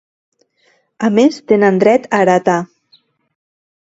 A més tenen dret a heretar.